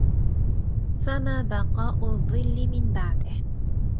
فما بَقاءُ الظلِ من بَعدِه